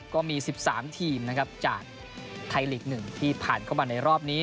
ก็มี๑๓ทีมนะครับจากไทยลีก๑ที่ผ่านเข้ามาในรอบนี้